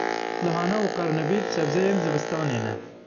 Lehane û qernebît sebzeyên zivistanê ne.